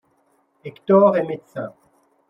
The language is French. Hector est médecin.